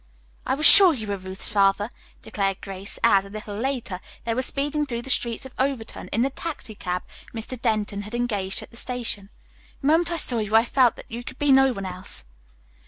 "I was sure you were Ruth's father," declared Grace as, a little later, they were speeding through the streets of Overton in the taxicab Mr. Denton had engaged at the station. "The moment I saw you I felt that you could be no one else."